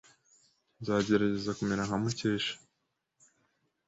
Nzagerageza kumera nka Mukesha.